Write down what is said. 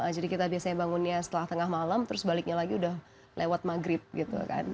kita biasanya bangunnya setelah tengah malam terus baliknya lagi udah lewat maghrib gitu kan